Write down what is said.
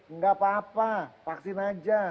nggak apa apa vaksin aja